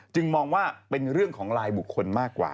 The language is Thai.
มองว่าเป็นเรื่องของลายบุคคลมากกว่า